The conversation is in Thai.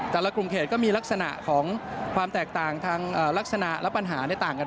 แต่ละกลุ่มเขตก็มีลักษณะของความแตกต่างทางลักษณะและปัญหาต่างกัน